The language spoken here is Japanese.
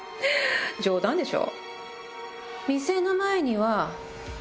冗談でしょ？